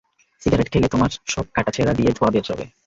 Cigarette খেলে তোমার সব কাটা ছেড়া দিয়ে ধোয়া বেড়োবে।